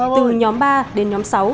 từ nhóm ba đến nhóm sáu